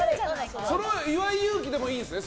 それは岩井勇気でもいいんですね。